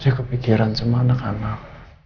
saya kepikiran sama anak anak